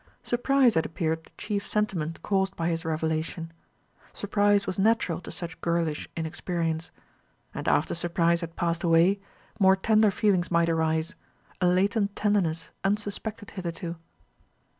Surprise had appeared the chief sentiment caused by his revelation. Surprise was natural to such girlish inexperience; and after surprise had passed away, more tender feelings might arise, a latent tenderness unsuspected hitherto.